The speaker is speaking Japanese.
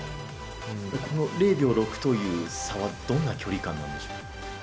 この０秒６という差はどんな距離感なんでしょうか。